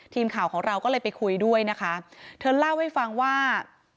ทีมข่าวของเราก็เลยไปคุยด้วยนะคะเธอเล่าให้ฟังว่า